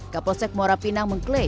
kapolsek morapinang mengklaim